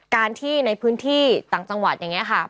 การที่ในพื้นที่ต่างจังหวัดอย่างนี้ค่ะ